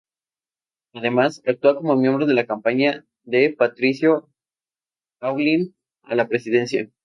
Además, actúa como miembro de la campaña de Patricio Aylwin a la presidencia.